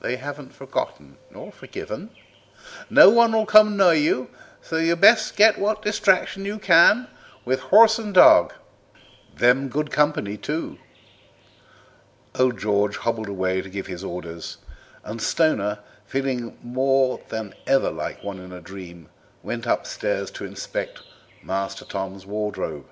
They hasn't forgotten nor forgiven. No one'll come nigh you, so you'd best get what distraction you can with horse and dog. They'm good company, too." Old George hobbled away to give his orders, and Stoner, feeling more than ever like one in a dream, went upstairs to inspect "Master Tom's" wardrobe.